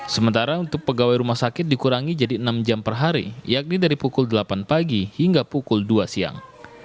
sementara untuk pegawai rumah sakit dikurangi jadi enam jam per hari yakni dari pukul delapan pagi hingga pukul dua siang